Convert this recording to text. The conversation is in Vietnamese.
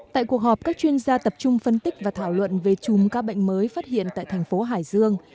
tại cuộc họp các chuyên gia tập trung phân tích và thảo luận về chùm ca bệnh mới phát hiện tại thành phố hải dương